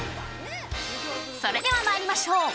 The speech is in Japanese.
それでは参りましょう。